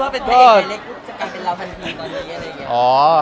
พูดว่าเป็นใครเล็กจะเป็นเราพันธุ์นี้